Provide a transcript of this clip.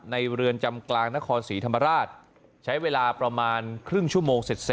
เรือนจำกลางนครศรีธรรมราชใช้เวลาประมาณครึ่งชั่วโมงเสร็จ